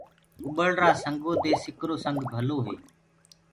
اُڀݪرآ سنگو دي سِڪرو سبگ ڀلو هي۔